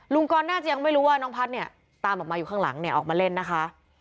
กรน่าจะยังไม่รู้ว่าน้องพัฒน์เนี่ยตามออกมาอยู่ข้างหลังเนี่ยออกมาเล่นนะคะ